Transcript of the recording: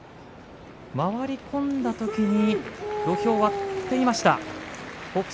回り込んだ時には土俵を割っていました。